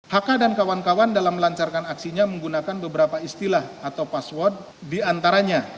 haka dan kawan kawan dalam melancarkan aksinya menggunakan beberapa istilah atau password diantaranya